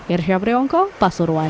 irsyam reongko pasuruan